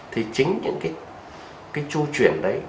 thì chính những cái tru chuyển đấy